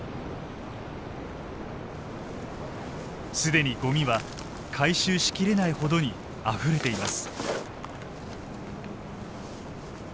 既にごみは回収しきれないほどにあふれています。